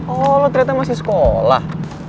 oh ternyata masih sekolah